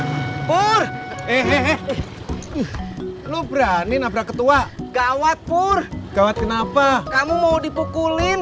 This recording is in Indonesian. eh eh eh eh eh eh eh eh eh lu berani nabrak ketua gawat pur gawat kenapa kamu mau dipukulin